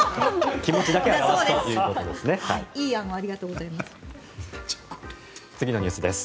気持ちだけ表すということですね。